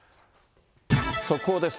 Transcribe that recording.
速報です。